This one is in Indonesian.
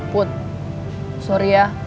put sorry ya